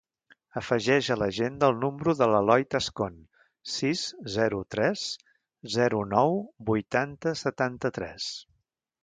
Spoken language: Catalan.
Afegeix a l'agenda el número de l'Eloi Tascon: sis, zero, tres, zero, nou, vuitanta, setanta-tres.